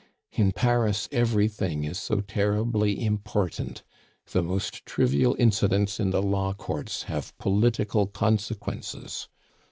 "In Paris everything is so terribly important; the most trivial incidents in the law courts have political consequences.